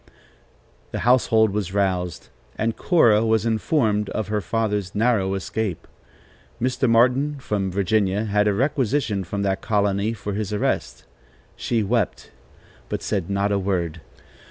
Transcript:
The household was roused, and Cora was informed of her father's narrow escape. Mr. Martin from Virginia had a requisition from that colony for his arrest. She wept, but said not a word.